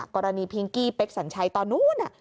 พิงกี้เป๊กสัญชัยตอนนู้น